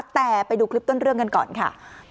แต่ไปดูคลิปต้นเรื่องกันก่อนค่ะ